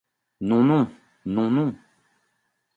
Non, non !— Non, non !